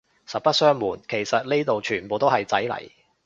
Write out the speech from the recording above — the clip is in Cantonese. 實不相暪，其實呢度全部都係仔嚟